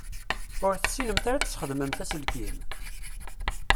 Ur tessinemt ara ad tesxedmemt aselkim?